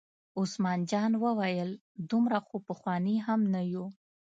عثمان جان وویل: دومره خو پخواني هم نه یو.